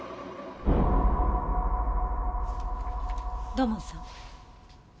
土門さん。